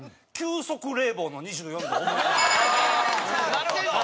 なるほど！